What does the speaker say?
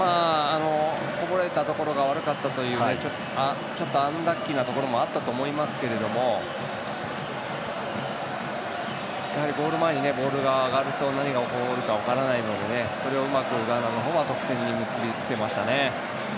こぼれたところが悪かったというねちょっとアンラッキーなところもあったと思いますけれどもやはりゴール前にボールが上がると何が起こるか分からないのでそれをうまくガーナの方は得点に結び付けましたね。